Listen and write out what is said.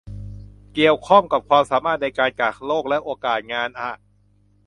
เกี่ยวข้องกับความสามารถในการกักโรคและโอกาสงานอะ